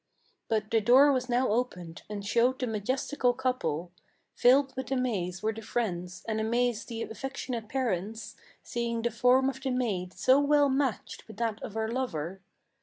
But the door was now opened, and showed the majestical couple. Filled with amaze were the friends, and amazed the affectionate parents, Seeing the form of the maid so well matched with that of her lover.